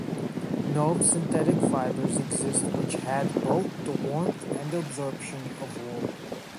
No synthetic fibres existed which had both the warmth and the absorption of wool.